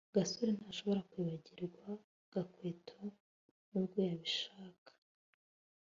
gasore ntashobora kwibagirwa gakwego nubwo yabishaka